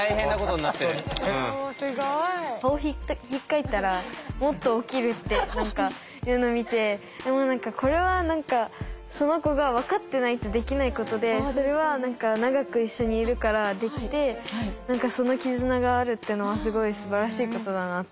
もうすごい。顔ひっかいたらもっと起きるっていうのを見てこれは何かその子が分かってないとできないことでそれは長く一緒にいるからできて何かその絆があるっていうのはすごいすばらしいことだなって。